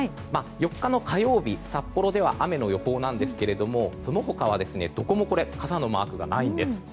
４日の火曜日、札幌では雨の予報なんですけれどもその他はどこも傘のマークがないんです。